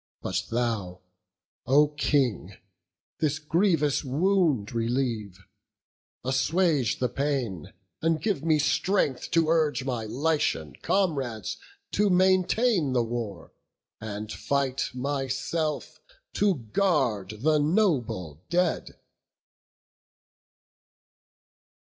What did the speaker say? But thou, O King, this grievous wound relieve; Assuage the pain, and give me strength to urge My Lycian comrades to maintain the war, And fight myself to guard the noble dead."